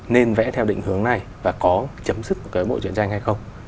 nên vẽ theo định hướng này và có chấm dứt cái bộ truyền tranh hay không